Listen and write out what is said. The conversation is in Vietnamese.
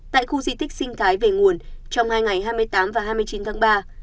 tại khu di tích sinh thái về nguồn trong hai ngày hai mươi tám và hai mươi chín tháng ba